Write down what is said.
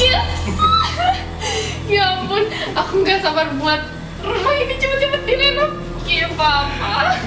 yes ya ampun aku gak sabar buat rumah ini cepet cepet direnovasi